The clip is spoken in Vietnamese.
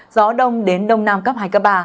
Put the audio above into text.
gió đông đến đông nam cấp hai cấp ba